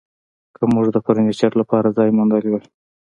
که موږ د فرنیچر لپاره ځای موندلی وای